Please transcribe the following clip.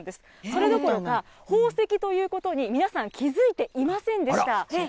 それどころか宝石ということに皆さん、気付いていませんでした。